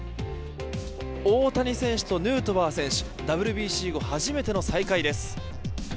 大谷翔平とヌートバー選手ＷＢＣ後初めての再会です。